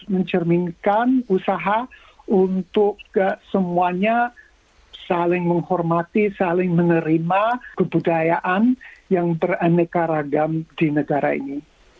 mencerminkan usaha untuk semuanya saling menghormati saling menerima kebudayaan yang beraneka ragam di negara ini